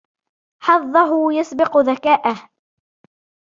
حظه يسبق ذكاءه.